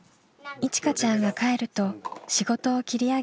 いちかちゃんが帰ると仕事を切り上げ